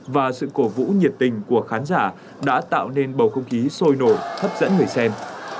và sự cổ vũ nhiệt tình của khán giả đã tạo nên bầu không khí sôi nổi hấp dẫn người xem